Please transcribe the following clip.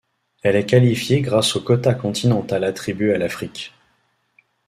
Elle est qualifiée grâce au quota continental attribué à l'Afrique.